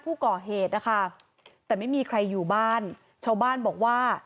ผู้ก่อเหตุนะคะแต่ไม่มีใครอยู่บ้านชาวบ้านบอกว่า